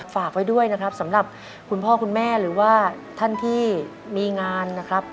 ฝากไว้ด้วยนะครับสำหรับคุณพ่อคุณแม่หรือว่าท่านที่มีงานนะครับ